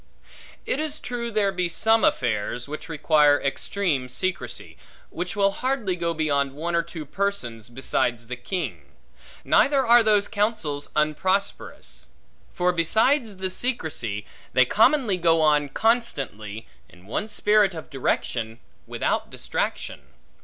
It is true there be some affairs, which require extreme secrecy, which will hardly go beyond one or two persons, besides the king: neither are those counsels unprosperous; for, besides the secrecy, they commonly go on constantly, in one spirit of direction, without distraction.